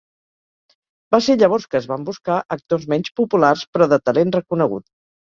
Va ser llavors que es van buscar actors menys populars però de talent reconegut.